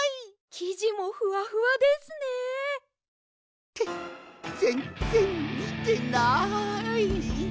きじもふわふわですね！ってぜんぜんみてない！